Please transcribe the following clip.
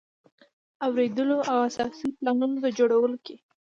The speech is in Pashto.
اوریدلو او اساسي پلانونو د جوړولو کې.